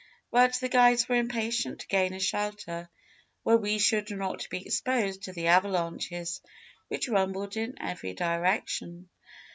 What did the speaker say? "But the guides were impatient to gain a shelter where we should not be exposed to the avalanches which rumbled in every direction.